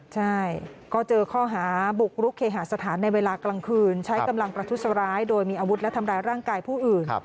ใช่ก็เจอข้อหาบุกรุกเคหาสถานในเวลากลางคืนใช้กำลังประทุษร้ายโดยมีอาวุธและทำร้ายร่างกายผู้อื่น